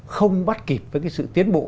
không bắt kịp với cái sự tiến bộ